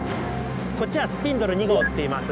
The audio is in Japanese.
こっちは「スピンドル２号」っていいます。